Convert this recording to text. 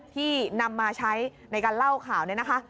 ที่นำมาใช้ในการเล่าข่าวนี้นะคะ